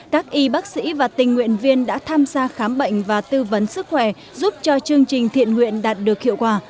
các y bác sĩ và tình nguyện viên đã tham gia khám bệnh và tư vấn sức khỏe giúp cho chương trình thiện nguyện đạt được hiệu quả